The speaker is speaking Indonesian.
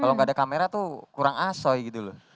kalau gak ada kamera tuh kurang asoi gitu loh